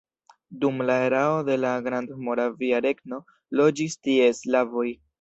Dum la erao de la Grandmoravia Regno loĝis tie slavoj.